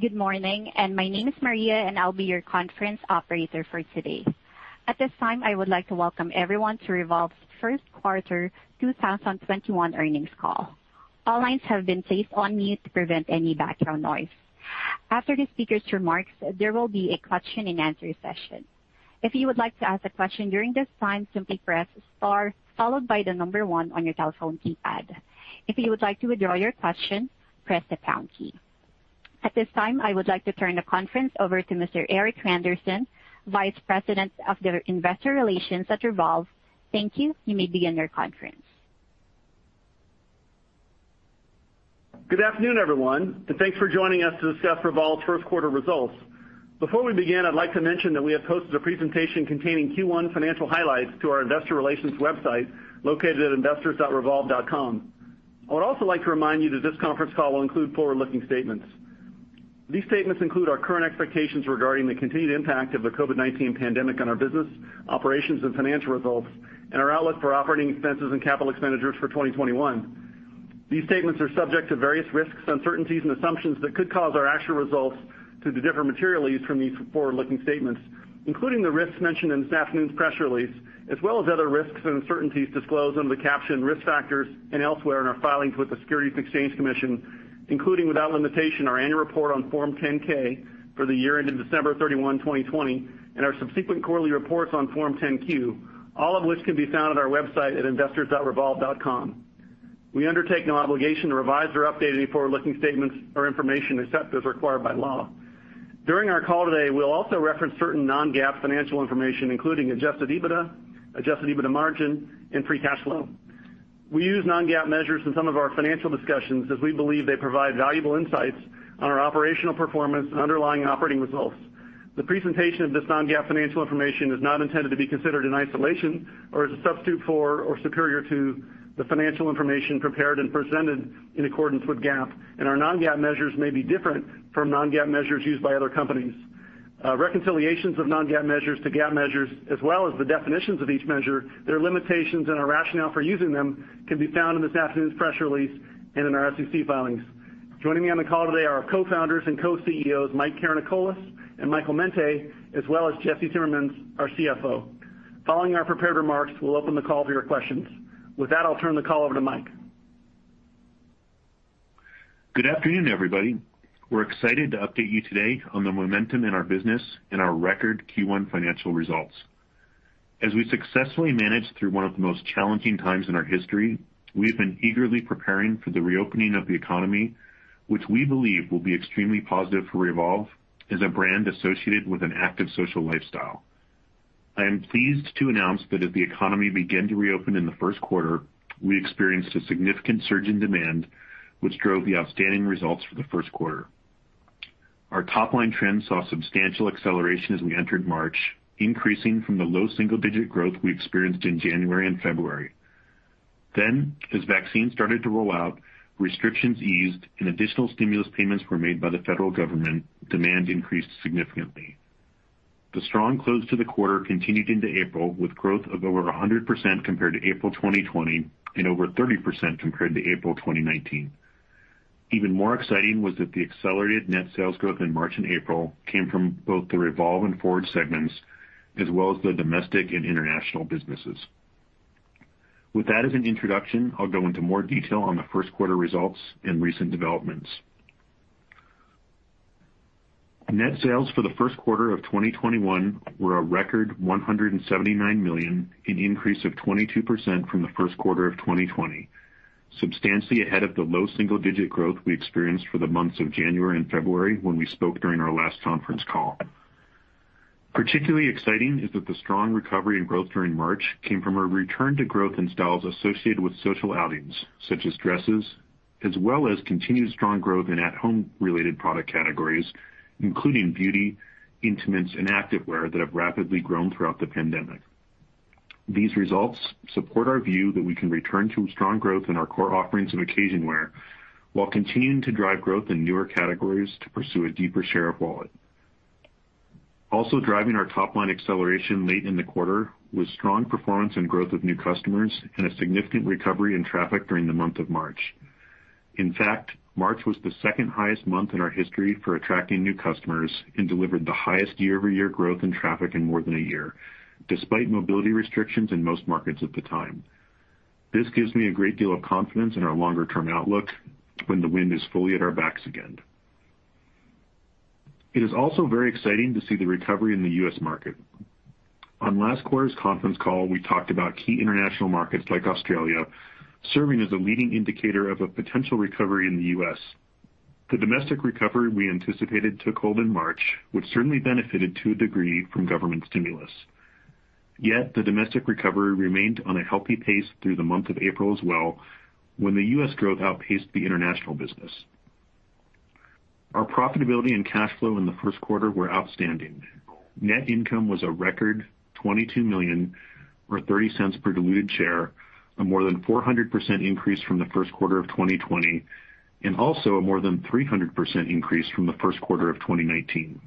Good morning, my name is Maria, and I'll be your conference operator for today. At this time, I would like to welcome everyone to Revolve's first quarter 2021 earnings call. All lines have been placed on mute to prevent any background noise. After the speakers' remarks, there will be a question and answer session. If you would like to ask a question during this time, simply press star followed by the number one on your telephone keypad. If you would like to withdraw your question, press the pound key. At this time, I would like to turn the conference over to Mr. Erik Randerson, Vice President of the Investor Relations at Revolve. Thank you. You may begin your conference. Good afternoon, everyone, and thanks for joining us to discuss Revolve's first quarter results. Before we begin, I'd like to mention that we have posted a presentation containing Q1 financial highlights to our investor relations website, located at investors.revolve.com. I would also like to remind you that this conference call will include forward-looking statements. These statements include our current expectations regarding the continued impact of the COVID-19 pandemic on our business, operations, and financial results, and our outlook for operating expenses and CapEx for 2021. These statements are subject to various risks, uncertainties, and assumptions that could cause our actual results to differ materially from these forward-looking statements, including the risks mentioned in this afternoon's press release, as well as other risks and uncertainties disclosed under the caption Risk Factors and elsewhere in our filings with the Securities and Exchange Commission, including, without limitation, our annual report on Form 10-K for the year ended December 31st, 2020, and our subsequent quarterly reports on Form 10-Q, all of which can be found at our website at investors.revolve.com. We undertake no obligation to revise or update any forward-looking statements or information except as required by law. During our call today, we'll also reference certain non-GAAP financial information, including Adjusted EBITDA, Adjusted EBITDA margin, and free cash flow. We use non-GAAP measures in some of our financial discussions as we believe they provide valuable insights on our operational performance and underlying operating results. The presentation of this non-GAAP financial information is not intended to be considered in isolation or as a substitute for or superior to the financial information prepared and presented in accordance with GAAP, and our non-GAAP measures may be different from non-GAAP measures used by other companies. Reconciliations of non-GAAP measures to GAAP measures as well as the definitions of each measure, their limitations, and our rationale for using them can be found in this afternoon's press release and in our SEC filings. Joining me on the call today are our co-founders and co-CEOs, Mike Karanikolas and Michael Mente, as well as Jesse Timmermans, our CFO. Following our prepared remarks, we'll open the call to your questions. With that, I'll turn the call over to Mike. Good afternoon, everybody. We're excited to update you today on the momentum in our business and our record Q1 financial results. As we successfully managed through one of the most challenging times in our history, we've been eagerly preparing for the reopening of the economy, which we believe will be extremely positive for Revolve as a brand associated with an active social lifestyle. I am pleased to announce that as the economy began to reopen in the first quarter, we experienced a significant surge in demand, which drove the outstanding results for the first quarter. Our top-line trend saw substantial acceleration as we entered March, increasing from the low single-digit growth we experienced in January and February. As vaccines started to roll out, restrictions eased, and additional stimulus payments were made by the federal government, demand increased significantly. The strong close to the quarter continued into April with growth of over 100% compared to April 2020 and over 30% compared to April 2019. Even more exciting was that the accelerated net sales growth in March and April came from both the Revolve and Forward segments as well as the domestic and international businesses. With that as an introduction, I'll go into more detail on the first quarter results and recent developments. Net sales for the first quarter of 2021 were a record $179 million, an increase of 22% from the first quarter of 2020, substantially ahead of the low single-digit growth we experienced for the months of January and February when we spoke during our last conference call. Particularly exciting is that the strong recovery and growth during March came from a return to growth in styles associated with social outings, such as dresses, as well as continued strong growth in at-home related product categories, including beauty, intimates, and activewear that have rapidly grown throughout the pandemic. These results support our view that we can return to strong growth in our core offerings of occasion wear while continuing to drive growth in newer categories to pursue a deeper share of wallet. Also driving our top-line acceleration late in the quarter was strong performance and growth of new customers and a significant recovery in traffic during the month of March. In fact, March was the second highest month in our history for attracting new customers and delivered the highest YoY growth in traffic in more than a year, despite mobility restrictions in most markets at the time. This gives me a great deal of confidence in our longer-term outlook when the wind is fully at our backs again. It is also very exciting to see the recovery in the US market. On last quarter's conference call, we talked about key international markets like Australia serving as a leading indicator of a potential recovery in the U.S. The domestic recovery we anticipated took hold in March, which certainly benefited to a degree from government stimulus. The domestic recovery remained on a healthy pace through the month of April as well, when the U.S. growth outpaced the international business. Our profitability and cash flow in the first quarter were outstanding. Net income was a record $22 million, or $0.30 per diluted share, a more than 400% increase from the first quarter of 2020, and also a more than 300% increase from the first quarter of 2019.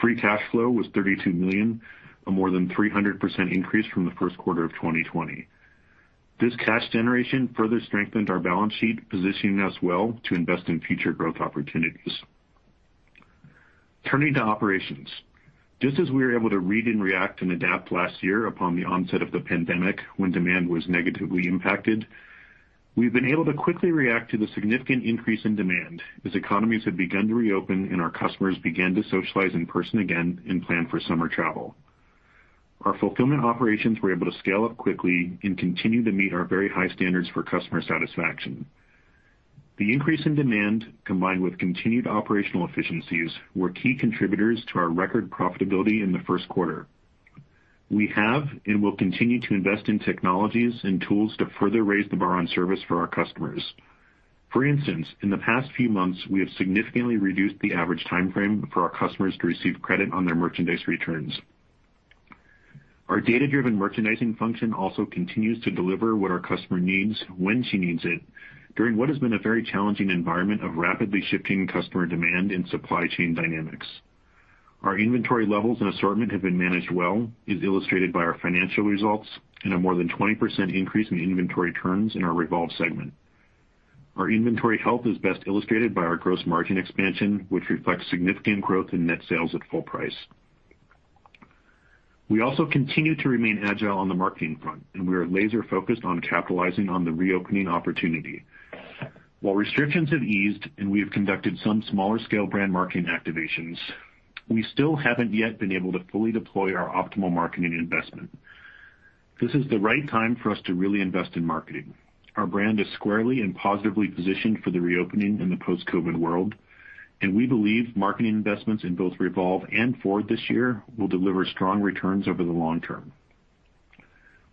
Free cash flow was $32 million, a more than 300% increase from the first quarter of 2020. This cash generation further strengthened our balance sheet, positioning us well to invest in future growth opportunities. Turning to operations. Just as we were able to read and react and adapt last year upon the onset of the pandemic, when demand was negatively impacted, we've been able to quickly react to the significant increase in demand as economies have begun to reopen and our customers began to socialize in person again and plan for summer travel. Our fulfillment operations were able to scale up quickly and continue to meet our very high standards for customer satisfaction. The increase in demand, combined with continued operational efficiencies, were key contributors to our record profitability in the first quarter. We have and will continue to invest in technologies and tools to further raise the bar on service for our customers. For instance, in the past few months, we have significantly reduced the average timeframe for our customers to receive credit on their merchandise returns. Our data-driven merchandising function also continues to deliver what our customer needs, when she needs it, during what has been a very challenging environment of rapidly shifting customer demand and supply chain dynamics. Our inventory levels and assortment have been managed well, as illustrated by our financial results, and a more than 20% increase in inventory turns in our Revolve segment. Our inventory health is best illustrated by our gross margin expansion, which reflects significant growth in net sales at full price. We also continue to remain agile on the marketing front, and we are laser-focused on capitalizing on the reopening opportunity. While restrictions have eased and we have conducted some smaller scale brand marketing activations, we still haven't yet been able to fully deploy our optimal marketing investment. This is the right time for us to really invest in marketing. Our brand is squarely and positively positioned for the reopening in the post-COVID world, and we believe marketing investments in both Revolve and Forward this year will deliver strong returns over the long term.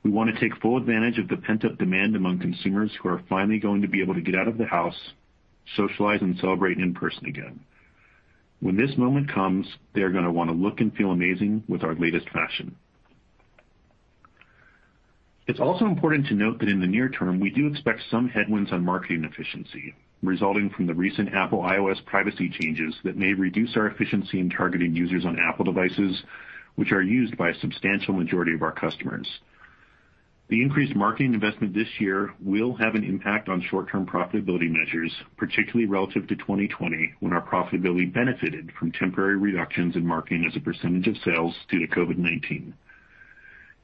We want to take full advantage of the pent-up demand among consumers who are finally going to be able to get out of the house, socialize, and celebrate in person again. When this moment comes, they are going to want to look and feel amazing with our latest fashion. It's also important to note that in the near term, we do expect some headwinds on marketing efficiency, resulting from the recent Apple iOS privacy changes that may reduce our efficiency in targeting users on Apple devices, which are used by a substantial majority of our customers. The increased marketing investment this year will have an impact on short-term profitability measures, particularly relative to 2020, when our profitability benefited from temporary reductions in marketing as a percentage of sales due to COVID-19.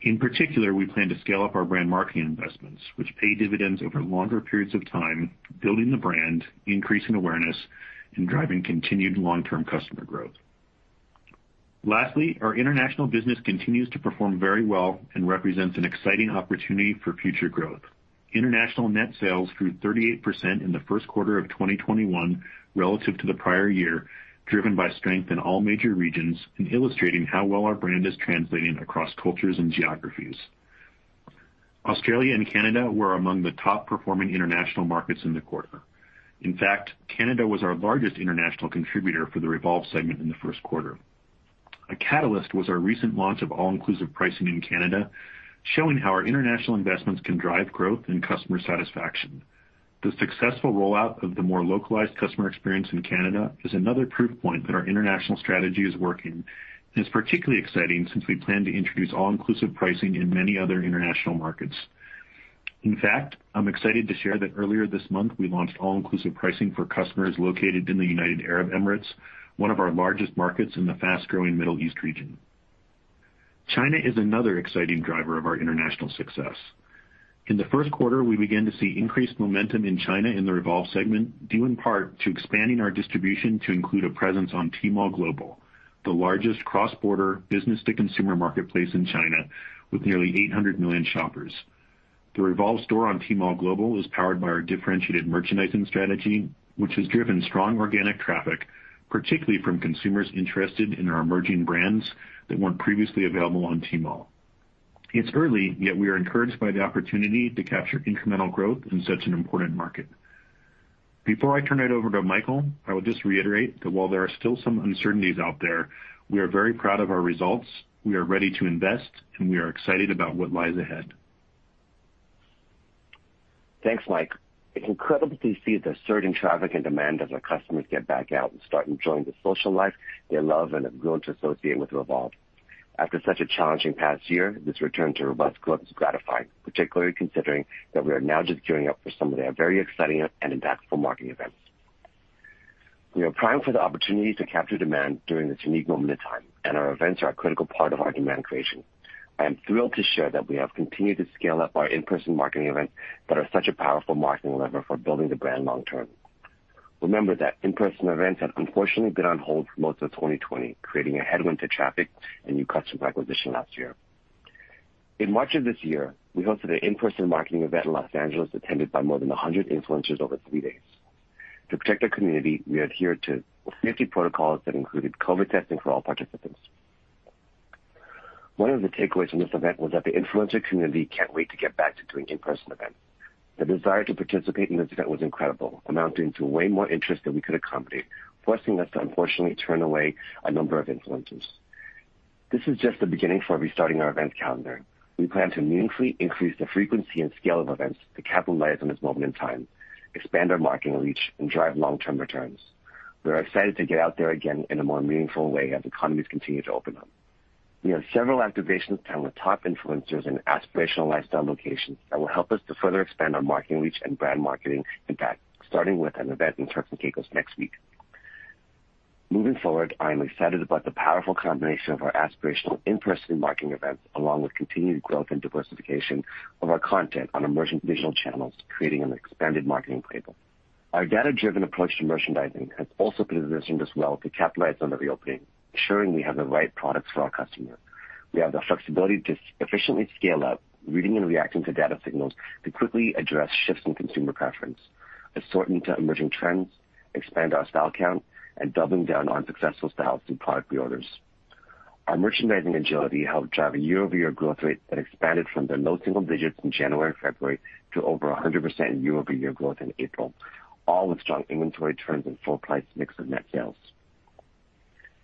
In particular, we plan to scale up our brand marketing investments, which pay dividends over longer periods of time, building the brand, increasing awareness, and driving continued long-term customer growth. Lastly, our international business continues to perform very well and represents an exciting opportunity for future growth. International net sales grew 38% in the first quarter of 2021 relative to the prior year, driven by strength in all major regions, and illustrating how well our brand is translating across cultures and geographies. Australia and Canada were among the top performing international markets in the quarter. In fact, Canada was our largest international contributor for the Revolve segment in the first quarter. A catalyst was our recent launch of all-inclusive pricing in Canada, showing how our international investments can drive growth and customer satisfaction. The successful rollout of the more localized customer experience in Canada is another proof point that our international strategy is working, and it's particularly exciting since we plan to introduce all-inclusive pricing in many other international markets. In fact, I'm excited to share that earlier this month, we launched all-inclusive pricing for customers located in the United Arab Emirates, one of our largest markets in the fast-growing Middle East region. China is another exciting driver of our international success. In the first quarter, we began to see increased momentum in China in the Revolve segment, due in part to expanding our distribution to include a presence on Tmall Global, the largest cross-border business-to-consumer marketplace in China, with nearly 800 million shoppers. The Revolve store on Tmall Global is powered by our differentiated merchandising strategy, which has driven strong organic traffic, particularly from consumers interested in our emerging brands that weren't previously available on Tmall. It's early, yet we are encouraged by the opportunity to capture incremental growth in such an important market. Before I turn it over to Michael, I would just reiterate that while there are still some uncertainties out there, we are very proud of our results. We are ready to invest. We are excited about what lies ahead. Thanks, Mike. It's incredible to see the surge in traffic and demand as our customers get back out and start enjoying the social life they love and have grown to associate with Revolve. After such a challenging past year, this return to robust growth is gratifying, particularly considering that we are now just gearing up for some of their very exciting and impactful marketing events. We are primed for the opportunity to capture demand during this unique moment in time, and our events are a critical part of our demand creation. I am thrilled to share that we have continued to scale up our in-person marketing events that are such a powerful marketing lever for building the brand long term. Remember that in-person events have unfortunately been on hold for most of 2020, creating a headwind to traffic and new customer acquisition last year. In March of this year, we hosted an in-person marketing event in Los Angeles attended by more than 100 influencers over three days. To protect our community, we adhered to safety protocols that included COVID testing for all participants. One of the takeaways from this event was that the influencer community can't wait to get back to doing in-person events. The desire to participate in this event was incredible, amounting to way more interest than we could accommodate, forcing us to unfortunately turn away a number of influencers. This is just the beginning for restarting our event calendar. We plan to meaningfully increase the frequency and scale of events to capitalize on this moment in time, expand our marketing reach, and drive long-term returns. We are excited to get out there again in a more meaningful way as economies continue to open up. We have several activations coming with top influencers in aspirational lifestyle locations that will help us to further expand our marketing reach and brand marketing impact, starting with an event in Turks and Caicos next week. Moving forward, I am excited about the powerful combination of our aspirational in-person marketing events, along with continued growth and diversification of our content on emerging digital channels, creating an expanded marketing playbook. Our data-driven approach to merchandising has also positioned us well to capitalize on the reopening, ensuring we have the right products for our customer. We have the flexibility to efficiently scale up, reading and reacting to data signals to quickly address shifts in consumer preference, assort into emerging trends, expand our style count, and doubling down on successful styles through product reorders. Our merchandising agility helped drive a YoY growth rate that expanded from the low single digits in January and February to over 100% YoY growth in April, all with strong inventory turns and full price mix of net sales.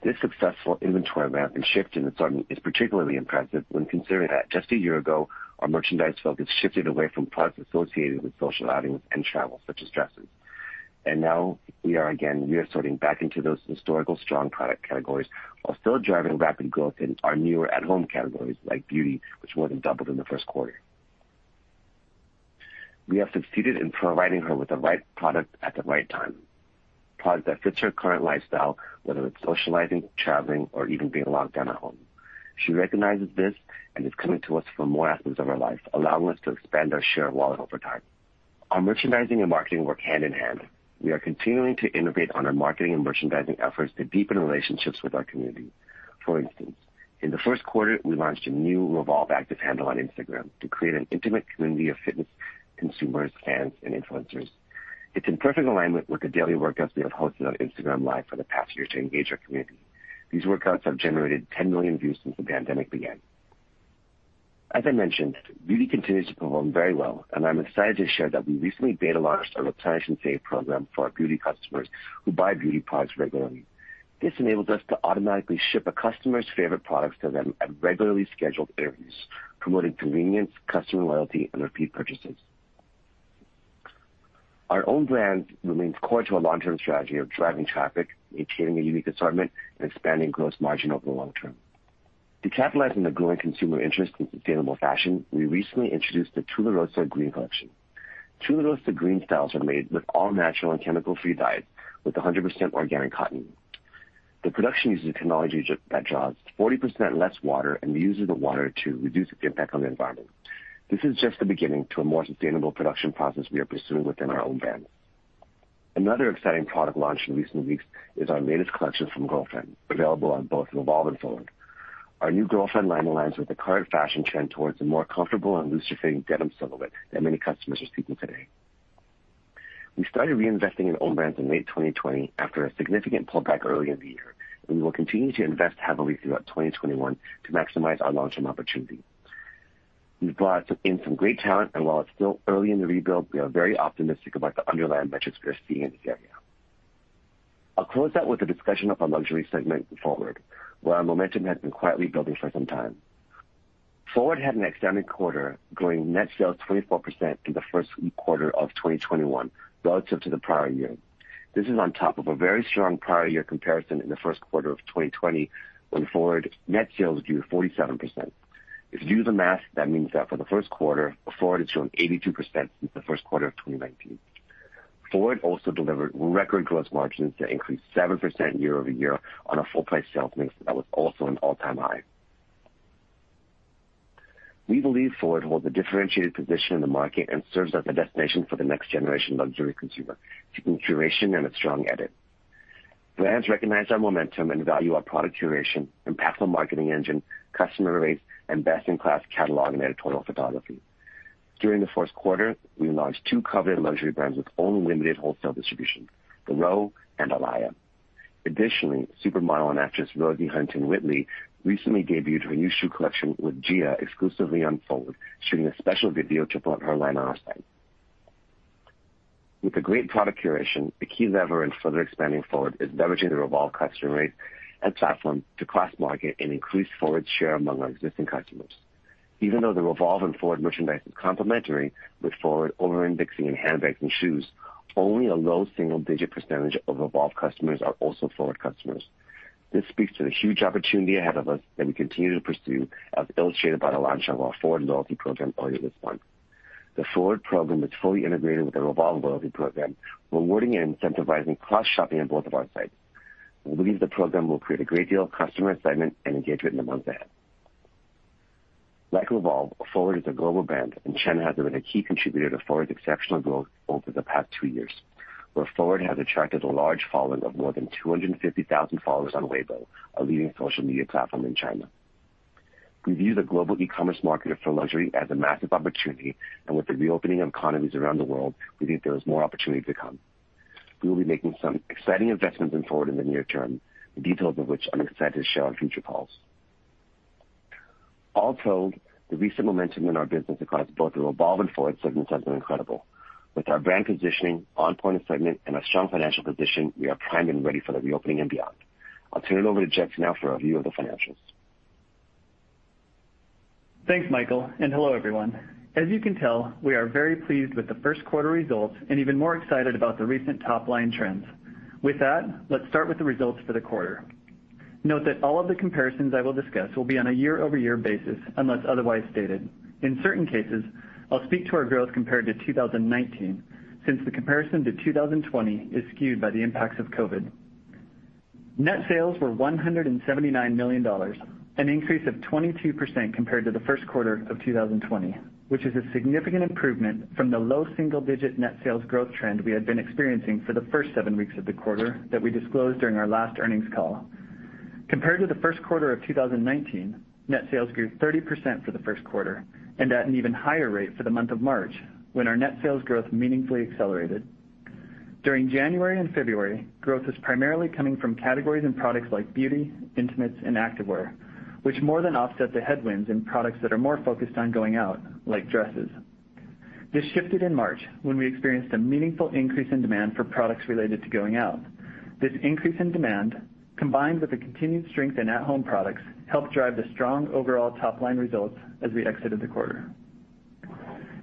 This successful inventory ramp and shift in assortment is particularly impressive when considering that just a year ago, our merchandise focus shifted away from products associated with social outings and travel, such as dresses. Now we are again reassorting back into those historical strong product categories while still driving rapid growth in our newer at-home categories like beauty, which more than doubled in the first quarter. We have succeeded in providing her with the right product at the right time, product that fits her current lifestyle, whether it's socializing, traveling, or even being locked down at home. She recognizes this and is coming to us for more aspects of her life, allowing us to expand our share of wallet over time. Our merchandising and marketing work hand in hand. We are continuing to innovate on our marketing and merchandising efforts to deepen relationships with our community. For instance, in the first quarter, we launched a new Revolve Active handle on Instagram to create an intimate community of fitness consumers, fans, and influencers. It's in perfect alignment with the daily workouts we have hosted on Instagram Live for the past year to engage our community. These workouts have generated 10 million views since the pandemic began. As I mentioned, beauty continues to perform very well, and I'm excited to share that we recently beta launched our replenish and save program for our beauty customers who buy beauty products regularly. This enables us to automatically ship a customer's favorite products to them at regularly scheduled intervals, promoting convenience, customer loyalty, and repeat purchases. Our own brand remains core to our long-term strategy of driving traffic, maintaining a unique assortment, and expanding gross margin over the long term. To capitalize on the growing consumer interest in sustainable fashion, we recently introduced the Tularosa Green collection. Tularosa Green styles are made with all-natural and chemical-free dyes with 100% organic cotton. The production uses a technology that draws 40% less water and reuses the water to reduce its impact on the environment. This is just the beginning to a more sustainable production process we are pursuing within our own brand. Another exciting product launch in recent weeks is our latest collection from GRLFRND, available on both Revolve and Forward. Our new GRLFRND line aligns with the current fashion trend towards a more comfortable and looser-fitting denim silhouette that many customers are seeking today. We started reinvesting in own brands in late 2020 after a significant pullback earlier in the year, and we will continue to invest heavily throughout 2021 to maximize our long-term opportunity. We've brought in some great talent, and while it's still early in the rebuild, we are very optimistic about the underlying metrics we are seeing in this area. I'll close out with a discussion of our luxury segment in FWRD, where our momentum has been quietly building for some time. FWRD had an outstanding quarter, growing net sales 24% in the first quarter of 2021 relative to the prior year. This is on top of a very strong prior year comparison in the first quarter of 2020 when FWRD net sales grew 47%. If you do the math, that means that for the first quarter, FWRD has grown 82% since the first quarter of 2019. FWRD also delivered record gross margins that increased 7% YoY on a full price sales mix that was also an all-time high. We believe FWRD holds a differentiated position in the market and serves as a destination for the next generation luxury consumer, seeking curation and a strong edit. Brands recognize our momentum and value our product curation, impactful marketing engine, customer base, and best-in-class catalog and editorial photography. During the first quarter, we launched two coveted luxury brands with own limited wholesale distribution, The Row and Alaïa. Additionally, supermodel and actress Rosie Huntington-Whiteley recently debuted her new shoe collection with Gia exclusively on FWRD, shooting a special video to promote her line on our site. With the great product curation, a key lever in further expanding Forward is leveraging the Revolve customer base and platform to cross-market and increase Forward's share among our existing customers. Even though the Revolve and Forward merchandise is complementary, with Forward over-indexing in handbags and shoes, only a low single-digit percentage of Revolve customers are also Forward customers. This speaks to the huge opportunity ahead of us that we continue to pursue, as illustrated by the launch of our Forward loyalty program earlier this month. The Forward program is fully integrated with the Revolve loyalty program, rewarding and incentivizing cross-shopping on both of our sites. We believe the program will create a great deal of customer excitement and engagement in the months ahead. Like Revolve, Forward is a global brand. China has been a key contributor to Forward's exceptional growth over the past two years, where Forward has attracted a large following of more than 250,000 followers on Weibo, a leading social media platform in China. We view the global e-commerce market for luxury as a massive opportunity. With the reopening of economies around the world, we think there is more opportunity to come. We will be making some exciting investments in Forward in the near term, the details of which I'm excited to share on future calls. All told, the recent momentum in our business across both the Revolve and Forward segments has been incredible. With our brand positioning, on-point assortment, and our strong financial position, we are primed and ready for the reopening and beyond. I'll turn it over to Jesse Timmermans now for a view of the financials. Thanks, Michael, and hello, everyone. As you can tell, we are very pleased with the first quarter results and even more excited about the recent top-line trends. With that, let's start with the results for the quarter. Note that all of the comparisons I will discuss will be on a YoY basis, unless otherwise stated. In certain cases, I'll speak to our growth compared to 2019, since the comparison to 2020 is skewed by the impacts of COVID. Net sales were $179 million, an increase of 22% compared to the first quarter of 2020, which is a significant improvement from the low single-digit net sales growth trend we had been experiencing for the first seven weeks of the quarter that we disclosed during our last earnings call. Compared to the first quarter of 2019, net sales grew 30% for the first quarter, and at an even higher rate for the month of March, when our net sales growth meaningfully accelerated. During January and February, growth was primarily coming from categories and products like beauty, intimates, and activewear, which more than offset the headwinds in products that are more focused on going out, like dresses. This shifted in March, when we experienced a meaningful increase in demand for products related to going out. This increase in demand, combined with the continued strength in at-home products, helped drive the strong overall top-line results as we exited the quarter.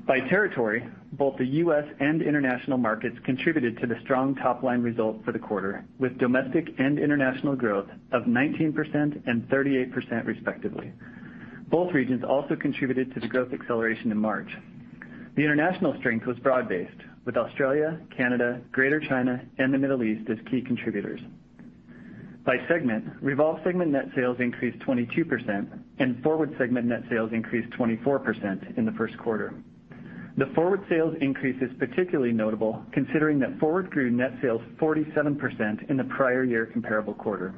By territory, both the U.S. and international markets contributed to the strong top-line result for the quarter, with domestic and international growth of 19% and 38%, respectively. Both regions also contributed to the growth acceleration in March. The international strength was broad-based, with Australia, Canada, Greater China, and the Middle East as key contributors. By segment, Revolve segment net sales increased 22%, and Forward segment net sales increased 24% in the first quarter. The Forward sales increase is particularly notable considering that Forward grew net sales 47% in the prior year comparable quarter.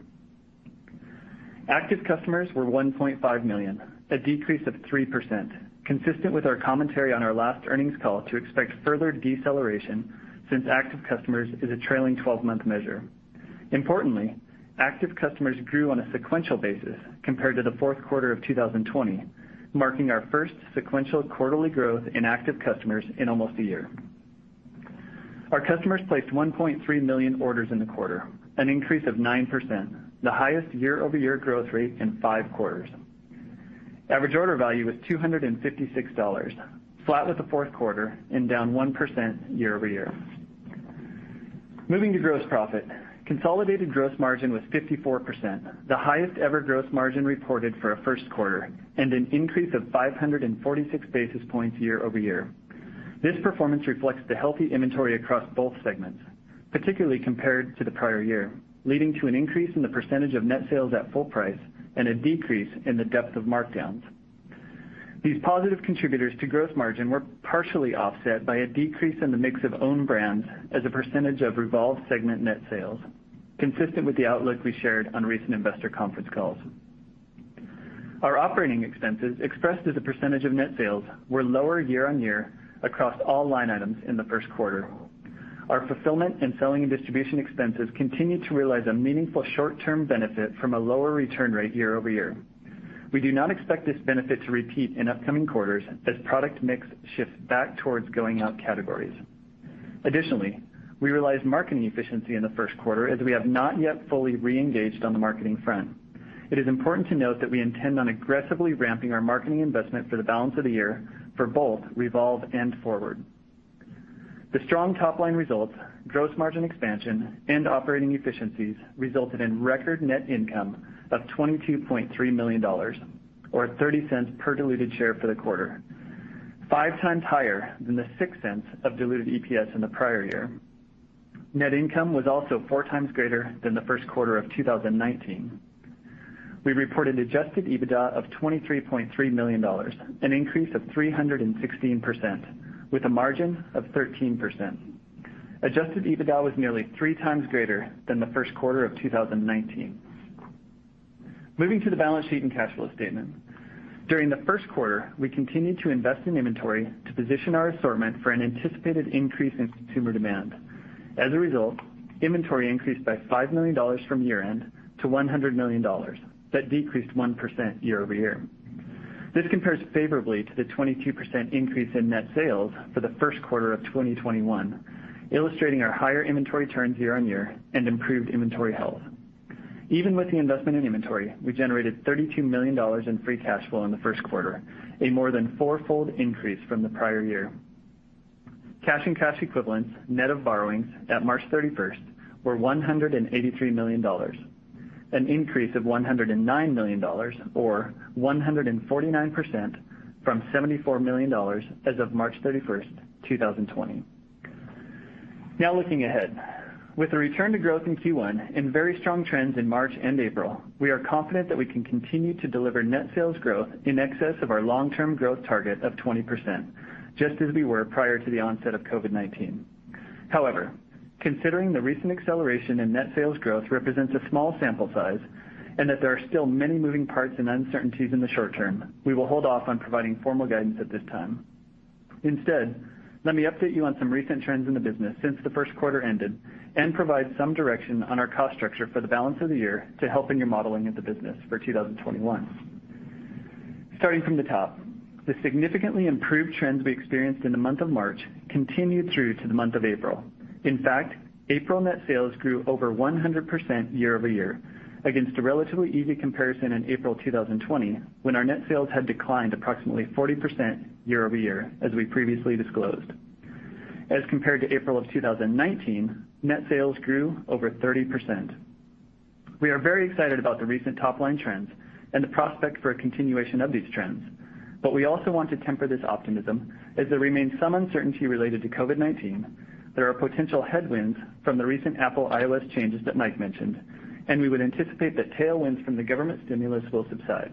Active customers were 1.5 million, a decrease of 3%, consistent with our commentary on our last earnings call to expect further deceleration since active customers is a trailing 12-month measure. Importantly, active customers grew on a sequential basis compared to the fourth quarter of 2020, marking our first sequential quarterly growth in active customers in almost a year. Our customers placed 1.3 million orders in the quarter, an increase of 9%, the highest YoY growth rate in five quarters. Average order value was $256, flat with the fourth quarter and down 1% YoY. Moving to gross profit. Consolidated gross margin was 54%, the highest-ever gross margin reported for a first quarter, and an increase of 546 basis points YoY. This performance reflects the healthy inventory across both segments, particularly compared to the prior year, leading to an increase in the percentage of net sales at full price and a decrease in the depth of markdowns. These positive contributors to gross margin were partially offset by a decrease in the mix of own brands as a percentage of Revolve segment net sales, consistent with the outlook we shared on recent investor conference calls. Our operating expenses, expressed as a percentage of net sales, were lower year-on-year across all line items in the first quarter. Our fulfillment and selling and distribution expenses continued to realize a meaningful short-term benefit from a lower return rate YoY. We do not expect this benefit to repeat in upcoming quarters as product mix shifts back towards going out categories. Additionally, we realized marketing efficiency in the first quarter, as we have not yet fully re-engaged on the marketing front. It is important to note that we intend on aggressively ramping our marketing investment for the balance of the year for both Revolve and Forward. The strong top-line results, gross margin expansion, and operating efficiencies resulted in record net income of $22.3 million, or $0.30 per diluted share for the quarter, five times higher than the $0.06 of diluted EPS in the prior year. Net income was also four times greater than the first quarter of 2019. We reported adjusted EBITDA of $23.3 million, an increase of 316%, with a margin of 13%. Adjusted EBITDA was nearly three times greater than the first quarter of 2019. Moving to the balance sheet and cash flow statement. During the first quarter, we continued to invest in inventory to position our assortment for an anticipated increase in consumer demand. As a result, inventory increased by $5 million from year-end to $100 million. That decreased 1% YoY. This compares favorably to the 22% increase in net sales for the first quarter of 2021, illustrating our higher inventory turns year-on-year and improved inventory health. Even with the investment in inventory, we generated $32 million in free cash flow in the first quarter, a more than fourfold increase from the prior year. Cash and cash equivalents, net of borrowings, at March 31st, were $183 million, an increase of $109 million or 149% from $74 million as of March 31st, 2020. Now, looking ahead. With a return to growth in Q1 and very strong trends in March and April, we are confident that we can continue to deliver net sales growth in excess of our long-term growth target of 20%, just as we were prior to the onset of COVID-19. However, considering the recent acceleration in net sales growth represents a small sample size, and that there are still many moving parts and uncertainties in the short term, we will hold off on providing formal guidance at this time. Instead, let me update you on some recent trends in the business since the first quarter ended and provide some direction on our cost structure for the balance of the year to helping your modeling of the business for 2021. Starting from the top, the significantly improved trends we experienced in the month of March continued through to the month of April. In fact, April net sales grew over 100% YoY against a relatively easy comparison in April 2020 when our net sales had declined approximately 40% YoY, as we previously disclosed. As compared to April of 2019, net sales grew over 30%. We are very excited about the recent top-line trends and the prospect for a continuation of these trends. We also want to temper this optimism, as there remains some uncertainty related to COVID-19. There are potential headwinds from the recent Apple iOS changes that Mike mentioned. We would anticipate that tailwinds from the government stimulus will subside.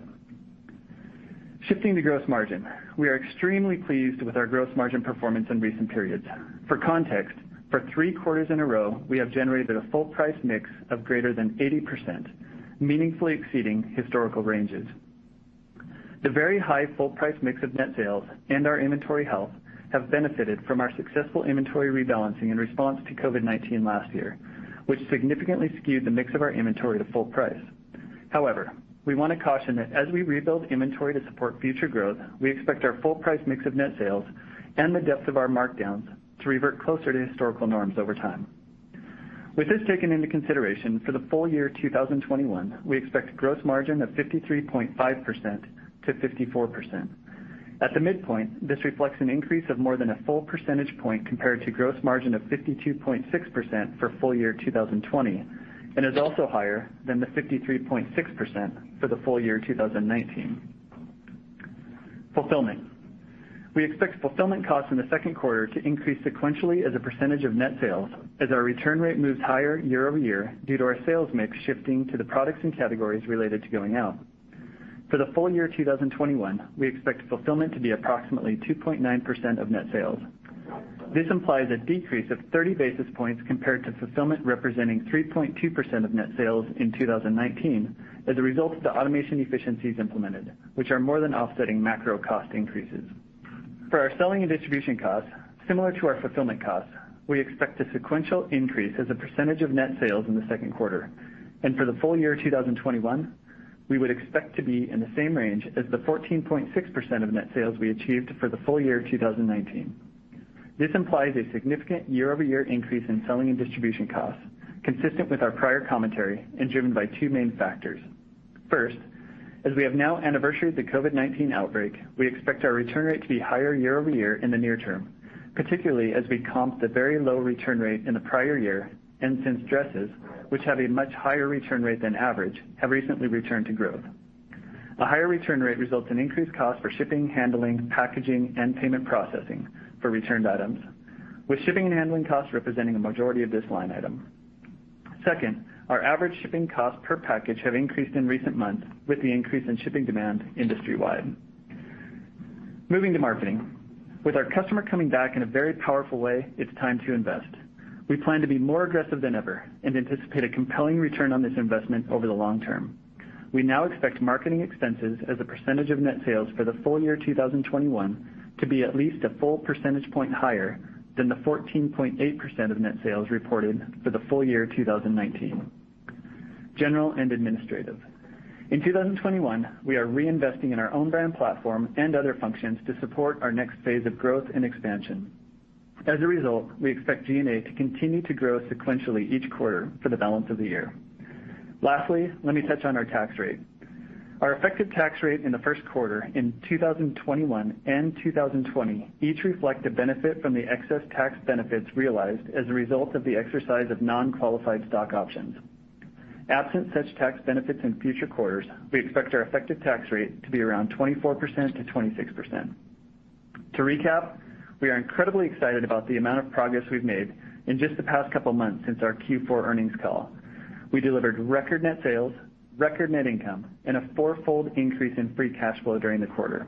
Shifting to gross margin, we are extremely pleased with our gross margin performance in recent periods. For context, for three quarters in a row, we have generated a full price mix of greater than 80%, meaningfully exceeding historical ranges. The very high full price mix of net sales and our inventory health have benefited from our successful inventory rebalancing in response to COVID-19 last year, which significantly skewed the mix of our inventory to full price. However, we want to caution that as we rebuild inventory to support future growth, we expect our full price mix of net sales and the depth of our markdowns to revert closer to historical norms over time. With this taken into consideration, for the full year 2021, we expect gross margin of 53.5%-54%. At the midpoint, this reflects an increase of more than a full percentage point compared to gross margin of 52.6% for full year 2020 and is also higher than the 53.6% for the full year 2019. Fulfillment. We expect fulfillment costs in the second quarter to increase sequentially as a percentage of net sales as our return rate moves higher YoY due to our sales mix shifting to the products and categories related to going out. For the full year 2021, we expect fulfillment to be approximately 2.9% of net sales. This implies a decrease of 30 basis points compared to fulfillment representing 3.2% of net sales in 2019 as a result of the automation efficiencies implemented, which are more than offsetting macro cost increases. For our selling and distribution costs, similar to our fulfillment costs, we expect a sequential increase as a percentage of net sales in the second quarter. For the full year 2021, we would expect to be in the same range as the 14.6% of net sales we achieved for the full year 2019. This implies a significant YoY increase in selling and distribution costs, consistent with our prior commentary and driven by two main factors. First, as we have now anniversaried the COVID-19 outbreak, we expect our return rate to be higher YoY in the near term, particularly as we comp the very low return rate in the prior year and since dresses, which have a much higher return rate than average, have recently returned to growth. A higher return rate results in increased cost for shipping, handling, packaging, and payment processing for returned items, with shipping and handling costs representing a majority of this line item. Second, our average shipping costs per package have increased in recent months with the increase in shipping demand industry-wide. Moving to marketing. With our customer coming back in a very powerful way, it's time to invest. We plan to be more aggressive than ever and anticipate a compelling return on this investment over the long term. We now expect marketing expenses as a percentage of net sales for the full year 2021 to be at least a full percentage point higher than the 14.8% of net sales reported for the full year 2019. General and administrative. In 2021, we are reinvesting in our own brand platform and other functions to support our next phase of growth and expansion. As a result, we expect G&A to continue to grow sequentially each quarter for the balance of the year. Lastly, let me touch on our tax rate. Our effective tax rate in the first quarter in 2021 and 2020 each reflect a benefit from the excess tax benefits realized as a result of the exercise of non-qualified stock options. Absent such tax benefits in future quarters, we expect our effective tax rate to be around 24%-26%. To recap, we are incredibly excited about the amount of progress we've made in just the past couple of months since our Q4 earnings call. We delivered record net sales, record net income, and a fourfold increase in free cash flow during the quarter.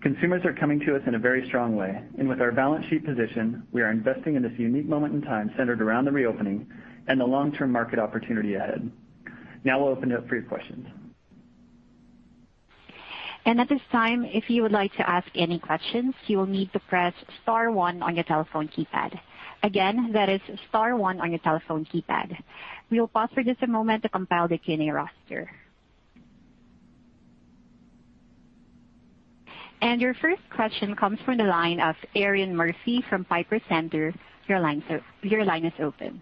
Consumers are coming to us in a very strong way, with our balance sheet position, we are investing in this unique moment in time centered around the reopening and the long-term market opportunity ahead. Now I'll open it up for your questions. At this time, if you would like to ask any questions, you will need to press star one on your telephone keypad. Again, that is star one on your telephone keypad. We will pause for just a moment to compile the Q&A roster. Your first question comes from the line of Erinn Murphy from Piper Sandler. Your line is open.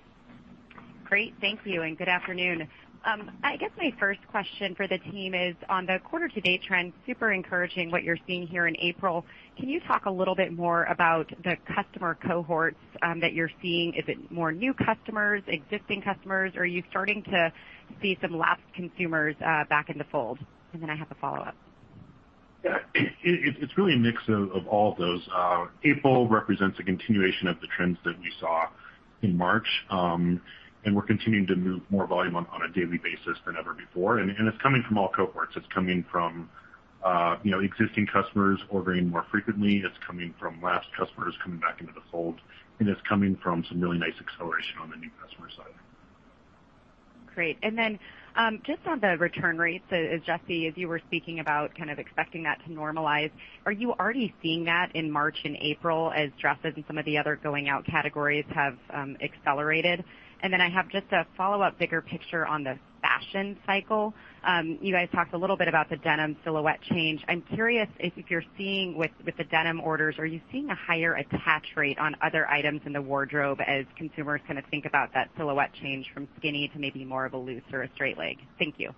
Great. Thank you. Good afternoon. I guess my first question for the team is on the quarter-to-date trends, super encouraging what you're seeing here in April. Can you talk a little bit more about the customer cohorts that you're seeing? Is it more new customers, existing customers? Are you starting to see some lapsed consumers back in the fold? I have a follow-up. Yeah. It's really a mix of all those. April represents a continuation of the trends that we saw in March, and we're continuing to move more volume on a daily basis than ever before. It's coming from all cohorts. It's coming from existing customers ordering more frequently. It's coming from lapsed customers coming back into the fold, and it's coming from some really nice acceleration on the new customer side. Great. Just on the return rates, Jesse, as you were speaking about expecting that to normalize, are you already seeing that in March and April as dresses and some of the other going out categories have accelerated? I have just a follow-up, bigger picture on the fashion cycle. You guys talked a little bit about the denim silhouette change. I'm curious if with the denim orders, are you seeing a higher attach rate on other items in the wardrobe as consumers think about that silhouette change from skinny to maybe more of a loose or a straight leg? Thank you.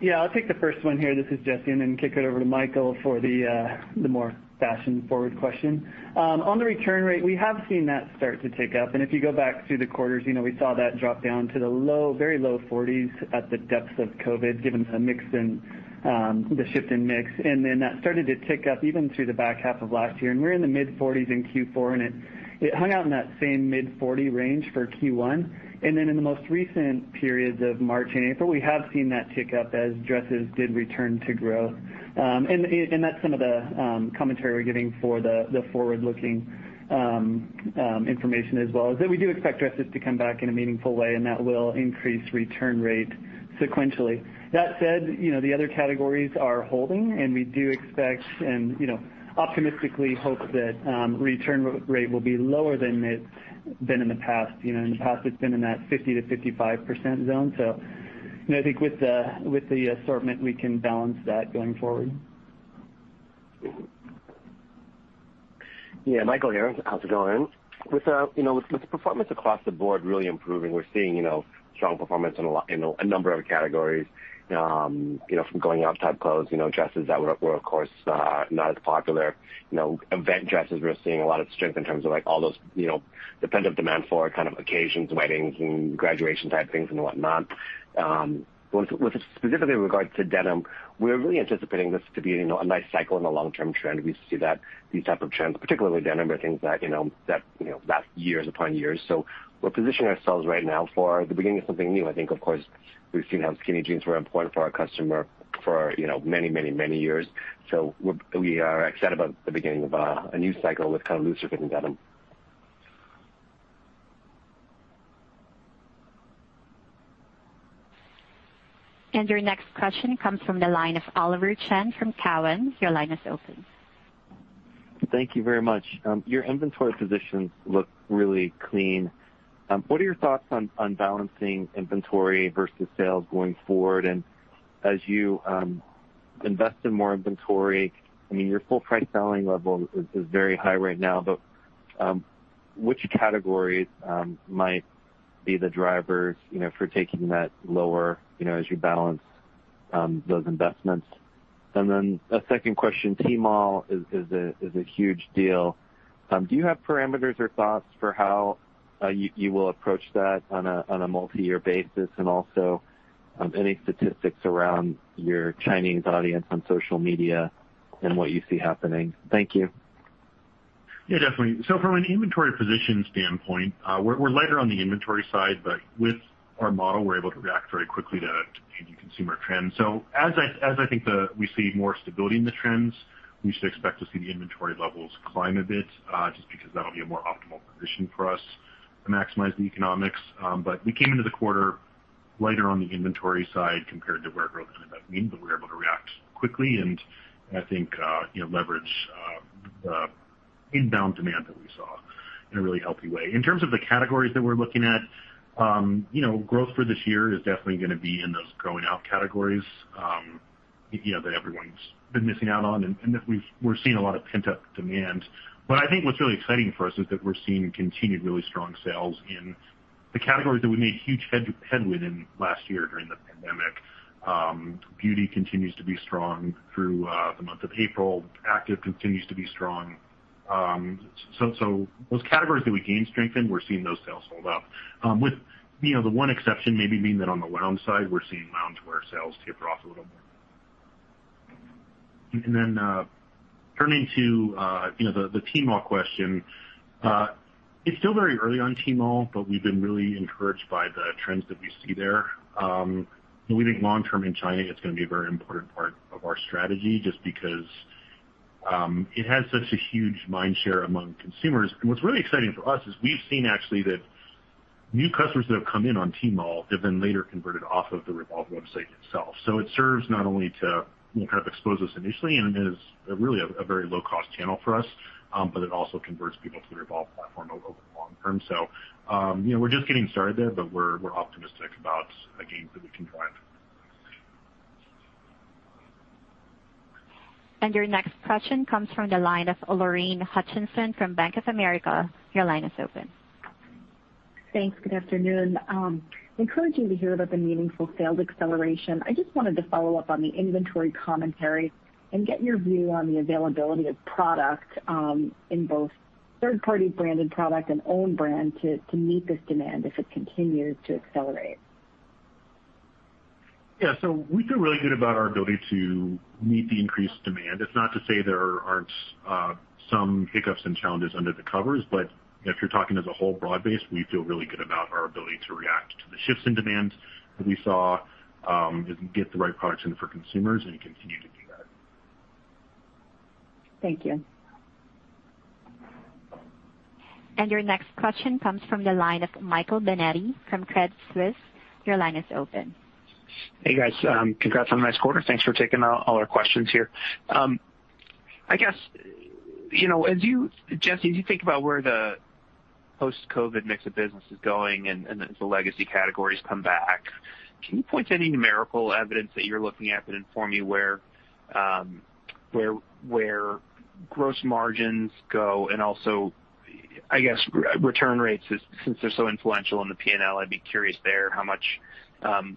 Yeah, I'll take the first one here, this is Jesse, then kick it over to Michael for the more fashion-forward question. On the return rate, we have seen that start to tick up, and if you go back through the quarters, we saw that drop down to the very low 40s at the depths of COVID, given the shift in mix. Then that started to tick up even through the back half of last year. We're in the mid-40s in Q4, and it hung out in that same mid-40 range for Q1. Then in the most recent periods of March and April, we have seen that tick up as dresses did return to growth. That's some of the commentary we're giving for the forward-looking information as well. Is that we do expect dresses to come back in a meaningful way, and that will increase return rate sequentially. That said, the other categories are holding, and we do expect, and optimistically hope that return rate will be lower than it's been in the past. In the past, it's been in that 50%-55% zone. I think with the assortment, we can balance that going forward. Yeah, Michael here. How's it going? With the performance across the board really improving, we're seeing strong performance in a number of categories. From going out type clothes, dresses that were, of course, not as popular. Event dresses, we're seeing a lot of strength in terms of all those pent-up demand for occasions, weddings, and graduation type things and whatnot. With specifically in regards to denim, we're really anticipating this to be a nice cycle and a long-term trend. We see that these type of trends, particularly with denim, are things that last years upon years. We're positioning ourselves right now for the beginning of something new. I think, of course, we've seen how skinny jeans were important for our customer for many years. We are excited about the beginning of a new cycle with looser fitting denim. Your next question comes from the line of Oliver Chen from Cowen. Your line is open. Thank you very much. Your inventory positions look really clean. What are your thoughts on balancing inventory versus sales going forward? As you invest in more inventory, I mean, your full price selling level is very high right now, which categories might be the drivers for taking that lower, as you balance those investments? A second question, Tmall is a huge deal. Do you have parameters or thoughts for how you will approach that on a multi-year basis, and also any statistics around your Chinese audience on social media and what you see happening? Thank you. Yeah, definitely. From an inventory position standpoint, we're lighter on the inventory side, but with our model, we're able to react very quickly to changing consumer trends. As I think we see more stability in the trends, we should expect to see the inventory levels climb a bit, just because that'll be a more optimal position for us to maximize the economics. We came into the quarter lighter on the inventory side compared to where growth ended up being, but we were able to react quickly, and I think leverage the inbound demand that we saw in a really healthy way. In terms of the categories that we're looking at, growth for this year is definitely going to be in those going out categories that everyone's been missing out on, and that we're seeing a lot of pent-up demand. I think what's really exciting for us is that we're seeing continued really strong sales in the categories that we made huge headway in last year during the pandemic. Beauty continues to be strong through the month of April. Active continues to be strong. Those categories that we gained strength in, we're seeing those sales hold up. With the one exception maybe being that on the lounge side, we're seeing loungewear sales taper off a little more. Turning to the Tmall question. It's still very early on Tmall, but we've been really encouraged by the trends that we see there. We think long-term in China, it's going to be a very important part of our strategy just because it has such a huge mind share among consumers. What's really exciting for us is we've seen actually that new customers that have come in on Tmall have been later converted off of the Revolve website itself. It serves not only to expose us initially and is really a very low-cost channel for us, but it also converts people to the Revolve platform over the long term. We're just getting started there, but we're optimistic about the gains that we can drive. Your next question comes from the line of Lorraine Hutchinson from Bank of America. Your line is open. Thanks. Good afternoon. Encouraging to hear about the meaningful sales acceleration. I just wanted to follow up on the inventory commentary and get your view on the availability of product, in both third-party branded product and own brand, to meet this demand if it continues to accelerate. Yeah. We feel really good about our ability to meet the increased demand. It's not to say there aren't some hiccups and challenges under the covers, but if you're talking as a whole broad base, we feel really good about our ability to react to the shifts in demand that we saw, and get the right products in for consumers and continue to do that. Thank you. Your next question comes from the line of Michael Binetti from Credit Suisse. Your line is open. Hey, guys. Congrats on a nice quarter. Thanks for taking all our questions here. Jesse, as you think about where the post-COVID mix of business is going and as the legacy categories come back, can you point to any numerical evidence that you're looking at that inform you where gross margins go and also, I guess, return rates, since they're so influential in the P&L, I'd be curious there how much I know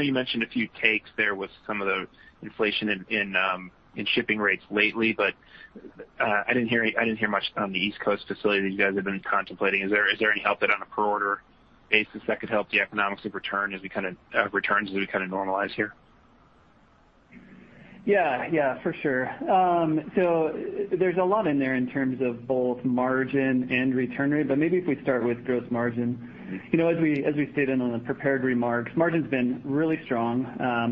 you mentioned a few takes there with some of the inflation in shipping rates lately, but I didn't hear much on the East Coast facility you guys have been contemplating. Is there any output on a per order basis that could help the economics of return as returns kind of normalize here? Yeah, for sure. There's a lot in there in terms of both margin and return rate. Maybe if we start with gross margin. As we stated on the prepared remarks, margin's been really strong.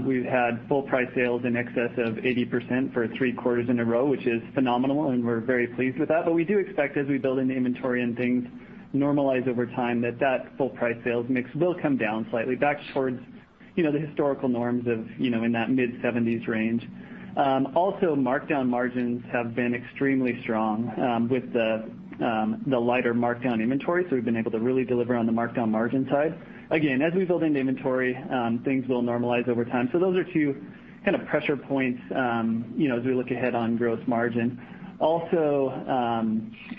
We've had full price sales in excess of 80% for three quarters in a row, which is phenomenal, and we're very pleased with that. We do expect as we build an inventory and things normalize over time, that full price sales mix will come down slightly back towards the historical norms of in that mid-70s range. Also, markdown margins have been extremely strong with the lighter markdown inventory. We've been able to really deliver on the markdown margin side. Again, as we build an inventory, things will normalize over time. Those are two kind of pressure points as we look ahead on gross margin. Also,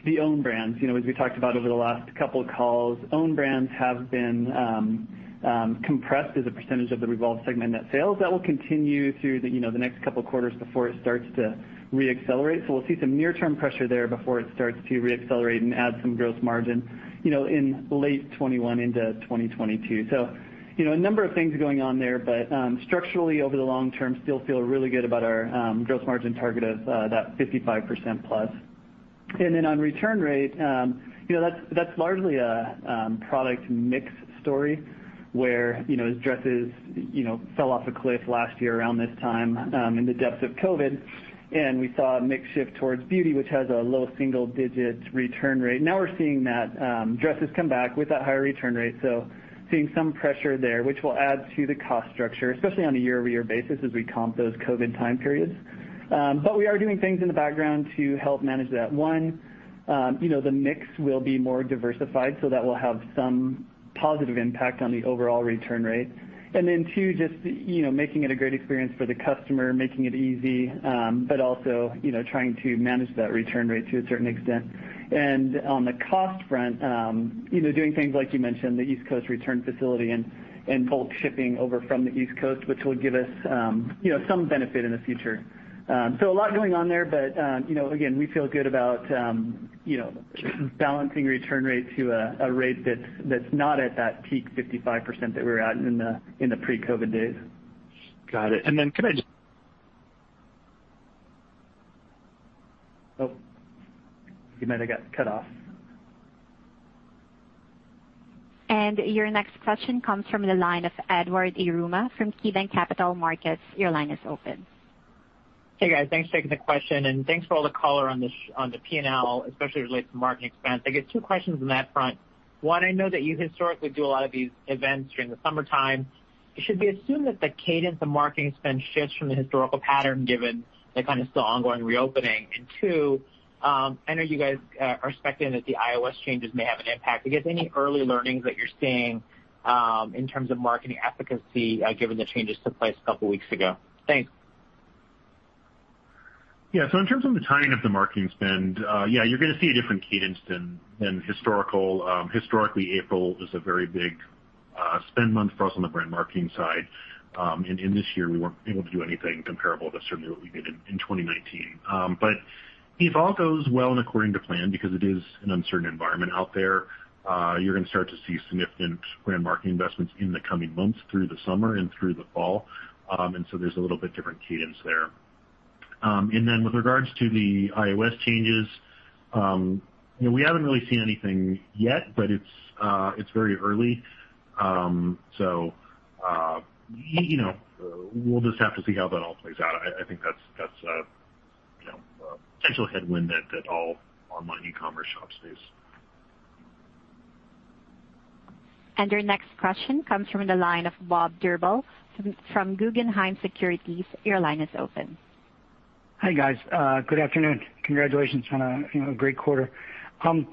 the own brands. As we talked about over the last couple of calls, own brands have been compressed as a percentage of the Revolve segment net sales. That will continue through the next couple of quarters before it starts to re-accelerate. We'll see some near-term pressure there before it starts to re-accelerate and add some gross margin in late 2021 into 2022. A number of things going on there. Structurally, over the long term, still feel really good about our gross margin target of that 55%+. Then on return rate, that's largely a product mix story where dresses fell off a cliff last year around this time in the depths of COVID, and we saw a mix shift towards beauty, which has a low single digits return rate. Now we're seeing that dresses come back with a high return rate. Seeing some pressure there, which will add to the cost structure, especially on a YoY basis as we comp those COVID time periods. We are doing things in the background to help manage that. One, the mix will be more diversified, so that will have some positive impact on the overall return rate. Two, just making it a great experience for the customer, making it easy, but also trying to manage that return rate to a certain extent. On the cost front, doing things like you mentioned, the East Coast return facility and bulk shipping over from the East Coast, which will give us some benefit in the future. A lot going on there. Again, we feel good about balancing return rate to a rate that's not at that peak 55% that we were at in the pre-COVID days. Got it. Then could I just, oh, you might have got cut off. Your next question comes from the line of Edward Yruma from KeyBanc Capital Markets. Your line is open. Hey, guys, thanks for taking the question, and thanks for all the color on the P&L, especially related to marketing spend. I got two questions on that front. One, I know that you historically do a lot of these events during the summertime. Should we assume that the cadence of marketing spend shifts from the historical pattern given the kind of still ongoing reopening? Two, I know you guys are expecting that the iOS changes may have an impact. Do you have any early learnings that you're seeing in terms of marketing efficacy given the changes took place a couple of weeks ago? Thanks. In terms of the timing of the marketing spend, yeah, you're going to see a different cadence than historical. Historically, April is a very big spend month for us on the brand marketing side. In this year, we weren't able to do anything comparable to certainly what we did in 2019. If all goes well and according to plan, because it is an uncertain environment out there, you're going to start to see significant brand marketing investments in the coming months through the summer and through the fall. There's a little bit different cadence there. With regards to the iOS changes, we haven't really seen anything yet, but it's very early. We'll just have to see how that all plays out. I think that's a potential headwind at all online e-commerce shops face. Your next question comes from the line of Bob Drbul from Guggenheim Securities. Your line is open. Hi, guys. Good afternoon. Congratulations on a great quarter. My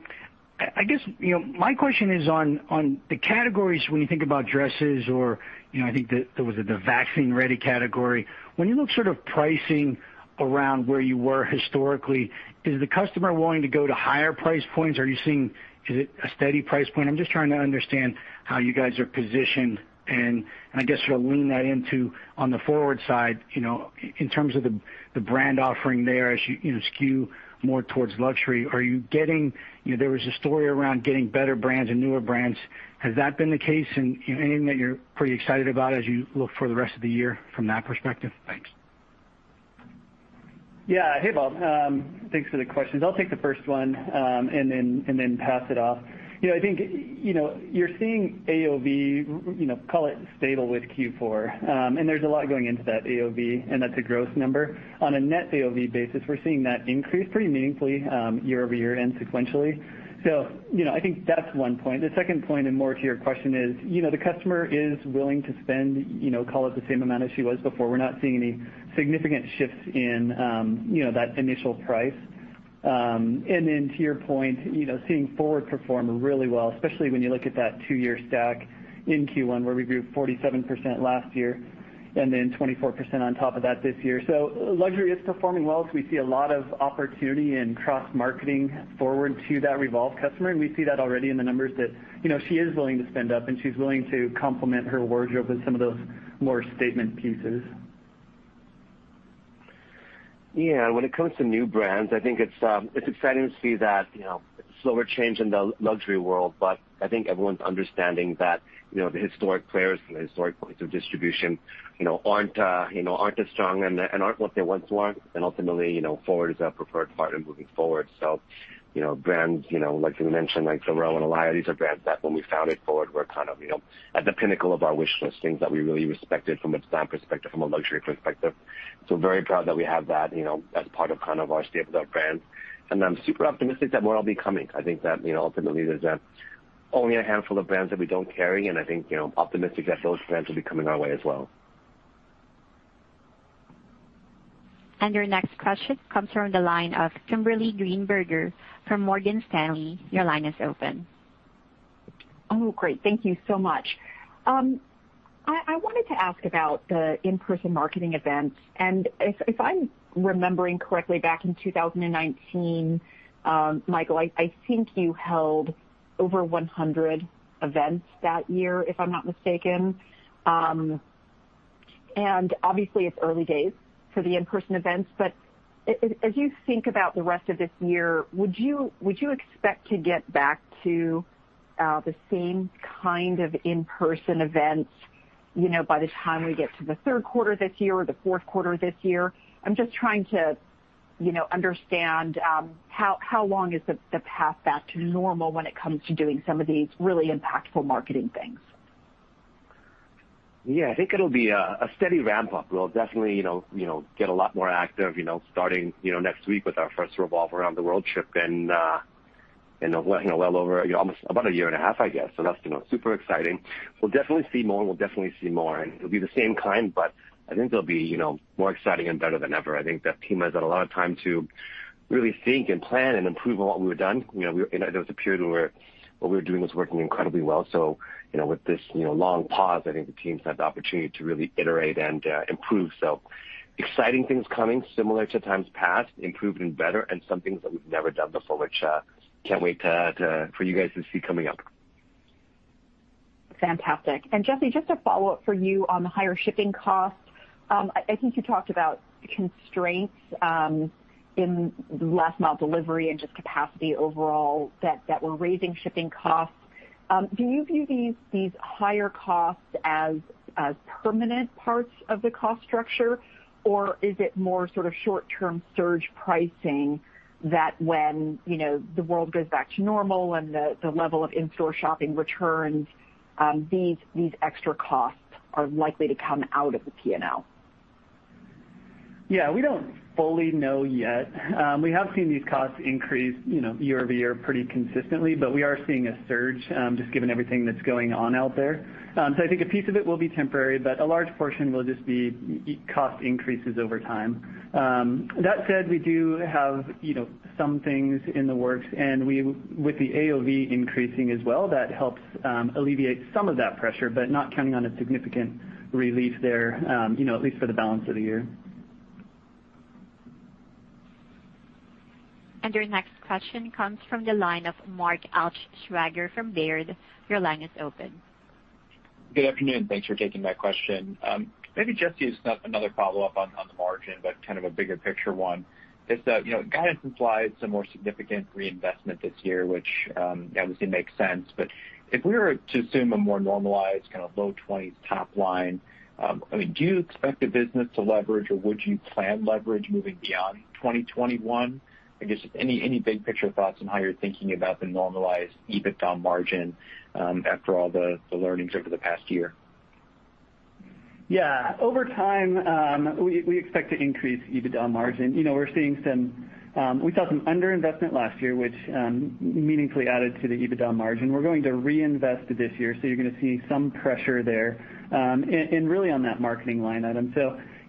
question is on the categories when you think about dresses or I think there was a vaccine-ready category. When you look sort of pricing around where you were historically, is the customer willing to go to higher price points? Are you seeing a steady price point? I'm just trying to understand how you guys are positioned and I guess sort of lean that into on the FWRD side, in terms of the brand offering there as you skew more towards luxury. There was a story around getting better brands and newer brands. Has that been the case? Anything that you're pretty excited about as you look for the rest of the year from that perspective? Thanks. Yeah. Hey, Bob. Thanks for the questions. I'll take the first one, and then pass it off. I think, you're seeing AOV, call it stable with Q4, and there's a lot going into that AOV, and that's a gross number. On a net AOV basis, we're seeing that increase pretty meaningfully YoY and sequentially. I think that's one point. The second point, and more to your question is, the customer is willing to spend, call it the same amount as she was before. We're not seeing any significant shifts in that initial price. To your point, seeing Forward perform really well, especially when you look at that two-year stack in Q1 where we grew 47% last year, and then 24% on top of that this year. Luxury is performing well, so we see a lot of opportunity in cross-marketing FWRD to that Revolve customer, and we see that already in the numbers that she is willing to spend up, and she's willing to complement her wardrobe with some of those more statement pieces. Yeah. When it comes to new brands, I think it's exciting to see that slower change in the luxury world. I think everyone's understanding that the historic players and the historic points of distribution aren't as strong and aren't what they once were. Ultimately, Forward is our preferred partner moving forward. Brands like you mentioned, like The Row and Alaïa, these are brands that when we founded Forward, were kind of at the pinnacle of our wish list, things that we really respected from a design perspective, from a luxury perspective. Very proud that we have that as part of our stable of brands. I'm super optimistic that more will be coming. I think that ultimately, there's only a handful of brands that we don't carry, and I think optimistic that those brands will be coming our way as well. Your next question comes from the line of Kimberly Greenberger from Morgan Stanley. Your line is open. Oh, great. Thank you so much. I wanted to ask about the in-person marketing events, and if I'm remembering correctly, back in 2019, Michael, I think you held over 100 events that year, if I'm not mistaken. Obviously, it's early days for the in-person events, but as you think about the rest of this year, would you expect to get back to the same kind of in-person events by the time we get to the third quarter this year or the fourth quarter this year? I'm just trying to understand how long is the path back to normal when it comes to doing some of these really impactful marketing things. Yeah. I think it'll be a steady ramp-up. We'll definitely get a lot more active starting next week with our first Revolve Around the World trip in well over almost about a year and a half, I guess. That's super exciting. We'll definitely see more, and it'll be the same kind, but I think they'll be more exciting and better than ever. I think the team has had a lot of time to really think and plan and improve on what we've done. There was a period where what we were doing was working incredibly well. With this long pause, I think the team's had the opportunity to really iterate and improve. Exciting things coming similar to times past, improved and better, and some things that we've never done before, which can't wait for you guys to see coming up. Fantastic. Jesse, just a follow-up for you on the higher shipping costs. I think you talked about constraints in last mile delivery and just capacity overall that were raising shipping costs. Do you view these higher costs as permanent parts of the cost structure, or is it more sort of short-term surge pricing that when the world goes back to normal and the level of in-store shopping returns, these extra costs are likely to come out of the P&L? Yeah. We don't fully know yet. We have seen these costs increase YoY pretty consistently, but we are seeing a surge, just given everything that's going on out there. I think a piece of it will be temporary, but a large portion will just be cost increases over time. That said, we do have some things in the works, and with the AOV increasing as well, that helps alleviate some of that pressure, but not counting on a significant relief there, at least for the balance of the year. Your next question comes from the line of Mark Altschwager from Baird. Your line is open. Good afternoon. Thanks for taking my question. Maybe Jesse, just another follow-up on the margin, but kind of a bigger picture one, is that guidance implies some more significant reinvestment this year, which obviously makes sense. If we were to assume a more normalized kind of low twenties top line, do you expect the business to leverage, or would you plan leverage moving beyond 2021? I guess just any big picture thoughts on how you're thinking about the normalized EBITDA margin after all the learnings over the past year. Yeah. Over time, we expect to increase EBITDA margin. We saw some under-investment last year, which meaningfully added to the EBITDA margin. We're going to reinvest this year, so you're going to see some pressure there, and really on that marketing line item.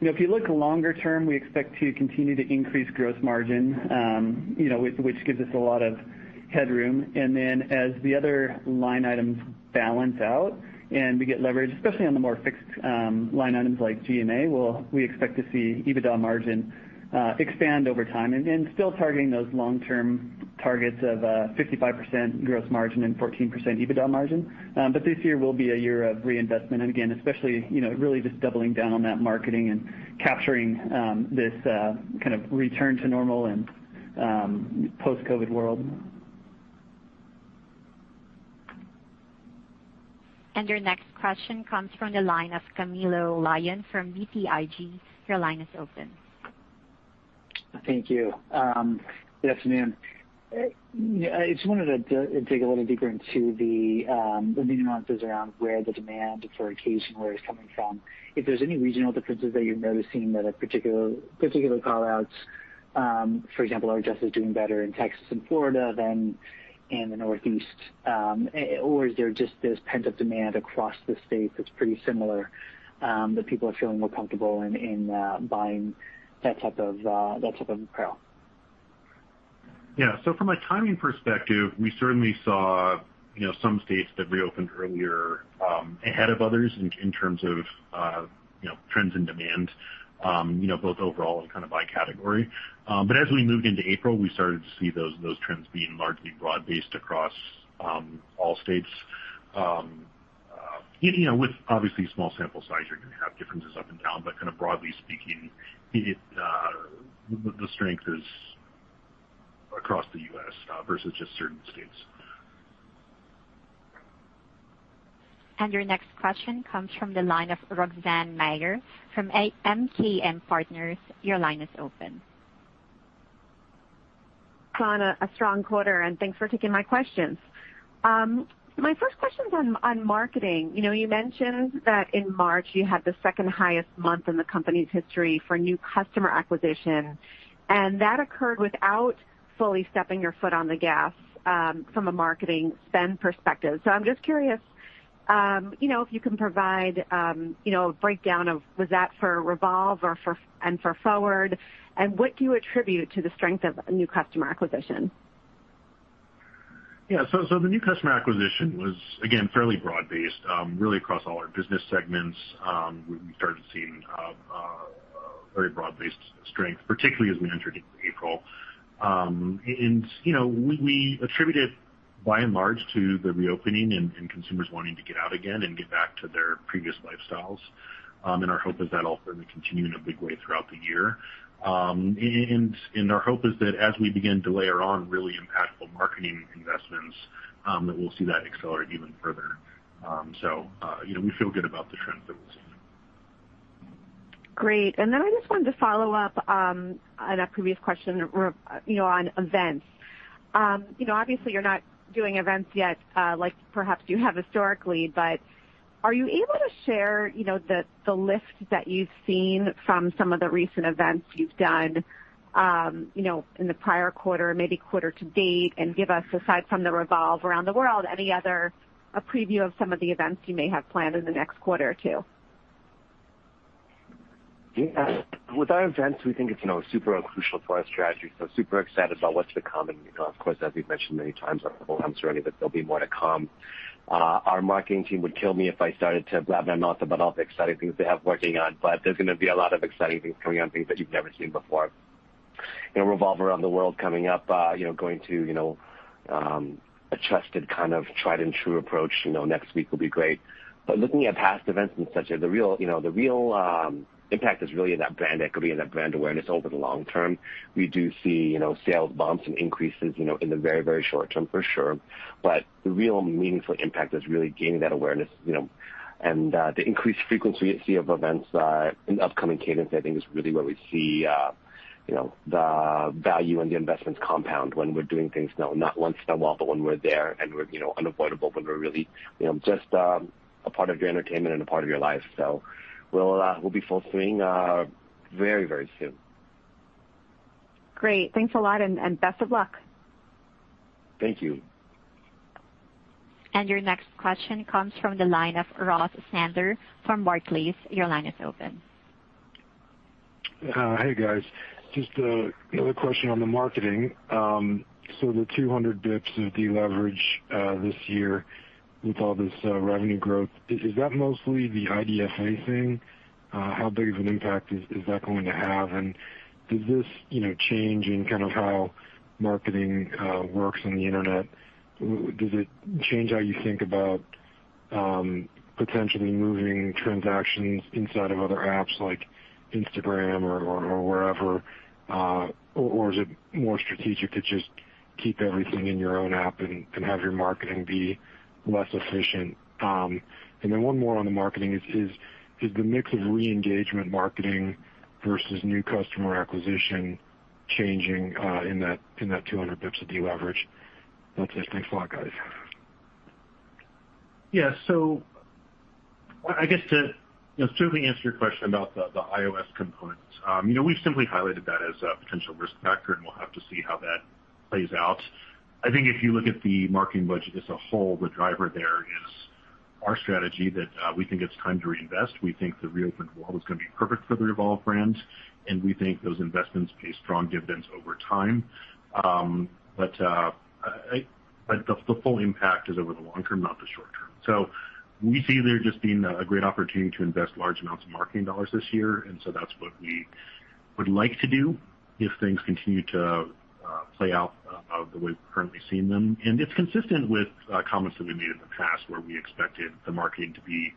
If you look longer term, we expect to continue to increase gross margin, which gives us a lot of headroom. Then as the other line items balance out and we get leverage, especially on the more fixed line items like G&A, we expect to see EBITDA margin expand over time, and still targeting those long-term targets of a 55% gross margin and 14% EBITDA margin. This year will be a year of reinvestment, and again, especially, really just doubling down on that marketing and capturing this kind of return to normal and post-COVID world. Your next question comes from the line of Camilo Lyon from BTIG. Thank you. Good afternoon. Just wanted to dig a little deeper into the nuances around where the demand for occasionwear is coming from. If there's any regional differences that you're noticing that are particular call-outs, for example, are dresses doing better in Texas and Florida than in the Northeast? Is there just this pent-up demand across the states that's pretty similar, that people are feeling more comfortable in buying that type of apparel? Yeah. From a timing perspective, we certainly saw some states that reopened earlier ahead of others in terms of trends in demand, both overall and by category. As we moved into April, we started to see those trends being largely broad-based across all states. With obviously small sample size, you're going to have differences up and down, but kind of broadly speaking, the strength is across the U.S. versus just certain states. Your next question comes from the line of Roxanne Meyer from MKM Partners, your line is open. Congrats, a strong quarter. Thanks for taking my questions. My first question's on marketing. You mentioned that in March you had the second highest month in the company's history for new customer acquisition. That occurred without fully stepping your foot on the gas from a marketing spend perspective. I'm just curious if you can provide a breakdown of, was that for Revolve and for FWRD? What do you attribute to the strength of new customer acquisition? Yeah. The new customer acquisition was, again, fairly broad-based really across all our business segments. We started seeing very broad-based strength, particularly as we entered into April. We attribute it by and large to the reopening and consumers wanting to get out again and get back to their previous lifestyles. Our hope is that'll certainly continue in a big way throughout the year. Our hope is that as we begin to layer on really impactful marketing investments, that we'll see that accelerate even further. We feel good about the trends that we're seeing. Great. I just wanted to follow up on a previous question on events. Obviously you're not doing events yet like perhaps you have historically, but are you able to share the lift that you've seen from some of the recent events you've done in the prior quarter, maybe quarter to date, and give us, aside from the Revolve Around the World, any other preview of some of the events you may have planned in the next quarter or two? Yeah. With our events, we think it's super crucial to our strategy, so super excited about what's to come. Of course, as we've mentioned many times on the road, I'm sure that there'll be more to come. Our marketing team would kill me if I started to blab about all the exciting things they have working on, but there's gonna be a lot of exciting things coming up, things that you've never seen before. Revolve Around the World coming up, going to a trusted kind of tried and true approach. Next week will be great. Looking at past events and such, the real impact is really in that brand equity and that brand awareness over the long term. We do see sales bumps and increases in the very short term for sure. The real meaningful impact is really gaining that awareness, and the increased frequency of events in the upcoming cadence, I think, is really where we see the value and the investments compound when we're doing things, not once in a while, but when we're there and we're unavoidable, when we're really just a part of your entertainment and a part of your life. We'll be full swing very soon. Great. Thanks a lot and best of luck. Thank you. Your next question comes from the line of Ross Sandler from Barclays. Your line is open. Hey, guys. Just another question on the marketing. The 200 basis points of deleverage this year with all this revenue growth, is that mostly the IDFA thing? How big of an impact is that going to have? Does this change in kind of how marketing works on the internet, does it change how you think about potentially moving transactions inside of other apps like Instagram or wherever? Or is it more strategic to just keep everything in your own app and have your marketing be less efficient? One more on the marketing, is the mix of re-engagement marketing versus new customer acquisition changing in that 200 basis points of deleverage? That's it. Thanks a lot, guys. I guess to certainly answer your question about the iOS component. We've simply highlighted that as a potential risk factor, and we'll have to see how that plays out. I think if you look at the marketing budget as a whole, the driver there is our strategy that we think it's time to reinvest. We think the reopened world is gonna be perfect for the Revolve brand, and we think those investments pay strong dividends over time. The full impact is over the long term, not the short term. We see there just being a great opportunity to invest large amounts of marketing dollars this year, that's what we would like to do if things continue to play out the way we're currently seeing them. It's consistent with comments that we've made in the past where we expected the marketing to be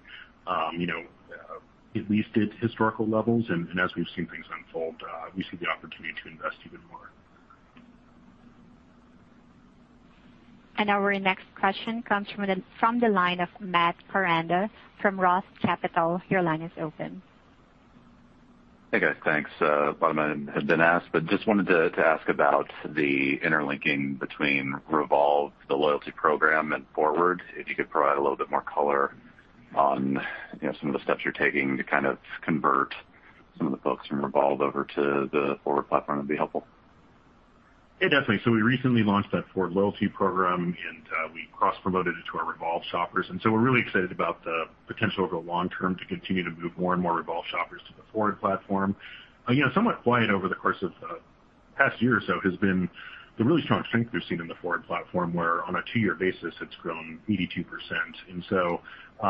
at least at historical levels. As we've seen things unfold, we see the opportunity to invest even more. Our next question comes from the line of Matthew Koranda from Roth Capital. Hey, guys. Thanks. A lot has been asked, just wanted to ask about the interlinking between Revolve, the loyalty program, and Forward. If you could provide a little bit more color on some of the steps you're taking to convert some of the folks from Revolve over to the Forward platform, that'd be helpful. Yeah, definitely. We recently launched that Forward loyalty program, and we cross-promoted it to our Revolve shoppers. We're really excited about the potential over the long term to continue to move more and more Revolve shoppers to the Forward platform. Again, somewhat quiet over the course of the past year or so has been the really strong strength we've seen in the Forward platform, where on a two-year basis, it's grown 82%.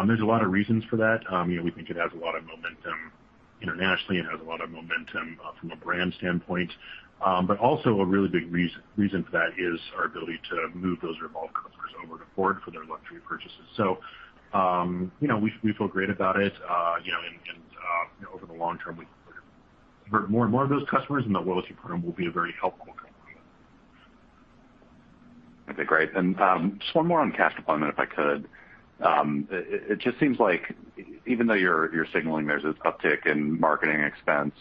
There's a lot of reasons for that. We think it has a lot of momentum internationally, and it has a lot of momentum from a brand standpoint. Also a really big reason for that is our ability to move those Revolve customers over to Forward for their luxury purchases. We feel great about it. Over the long term, we can convert more and more of those customers, and the loyalty program will be a very helpful component. Okay, great. Just one more on cash deployment, if I could. It just seems like even though you're signaling there's this uptick in marketing expense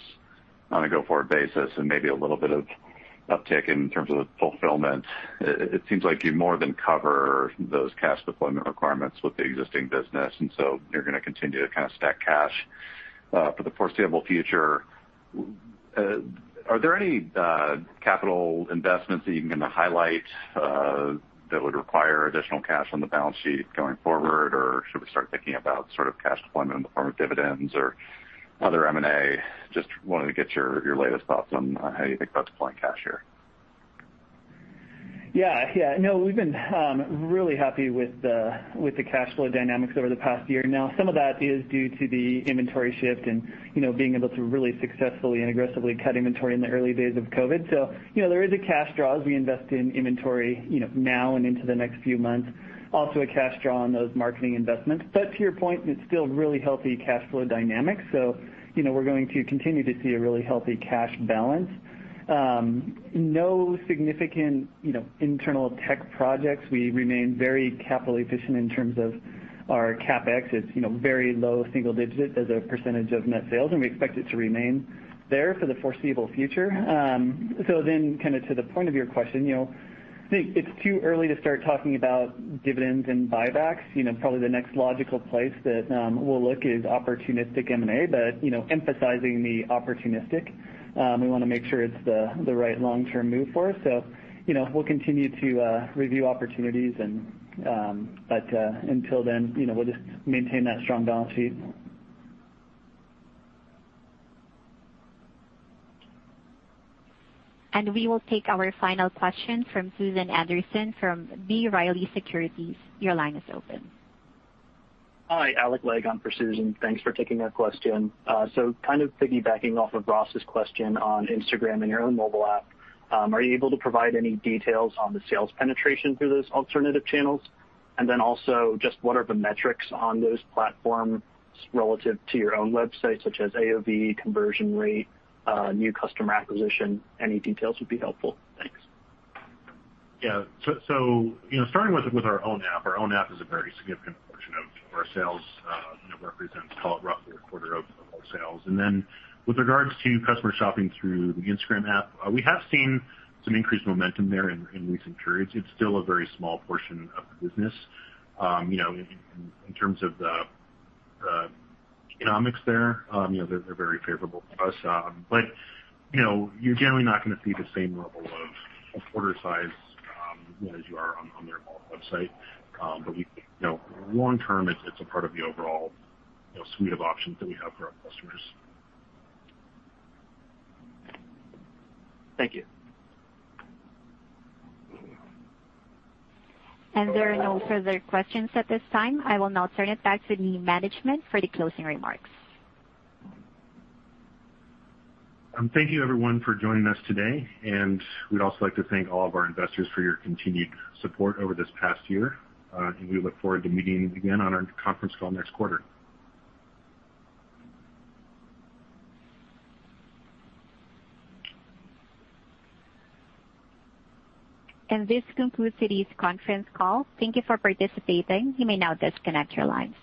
on a go-forward basis and maybe a little bit of uptick in terms of fulfillment, it seems like you more than cover those cash deployment requirements with the existing business, and so you're going to continue to kind of stack cash for the foreseeable future. Are there any capital investments that you can highlight that would require additional cash on the balance sheet going forward? Should we start thinking about cash deployment in the form of dividends or other M&A? Just wanted to get your latest thoughts on how you think about deploying cash here. Yeah. No, we've been really happy with the cash flow dynamics over the past year. Some of that is due to the inventory shift and being able to really successfully and aggressively cut inventory in the early days of COVID-19. There is a cash draw as we invest in inventory now and into the next few months. Also, a cash draw on those marketing investments. To your point, it's still really healthy cash flow dynamics. We're going to continue to see a really healthy cash balance. No significant internal tech projects. We remain very capital efficient in terms of our CapEx. It's very low single digits as a percentage of net sales, and we expect it to remain there for the foreseeable future. To the point of your question, it's too early to start talking about dividends and buybacks. Probably the next logical place that we'll look is opportunistic M&A, but emphasizing the opportunistic. We want to make sure it's the right long-term move for us. We'll continue to review opportunities, but until then, we'll just maintain that strong balance sheet. We will take our final question from Susan Anderson from B. Riley Securities. Your line is open. Hi, Alec Legg on for Susan. Thanks for taking our question. Piggybacking off of Ross's question on Instagram and your own mobile app, are you able to provide any details on the sales penetration through those alternative channels? What are the metrics on those platforms relative to your own website, such as AOV, conversion rate, new customer acquisition? Any details would be helpful. Thanks. Yeah. Starting with our own app, our own app is a very significant portion of our sales. Represents roughly a quarter of overall sales. With regards to customer shopping through the Instagram app, we have seen some increased momentum there in recent periods. It's still a very small portion of the business. In terms of the economics there, they're very favorable for us. You're generally not going to see the same level of order size as you are on the Revolve website. We think, long term, it's a part of the overall suite of options that we have for our customers. Thank you. There are no further questions at this time. I will now turn it back to management for the closing remarks. Thank you everyone for joining us today, we'd also like to thank all of our investors for your continued support over this past year. We look forward to meeting again on our conference call next quarter. This concludes today's conference call. Thank you for participating. You may now disconnect your lines.